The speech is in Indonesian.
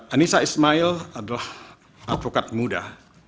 anissa ismail adalah advokat muda